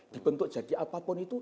dibentuk jadi apapun itu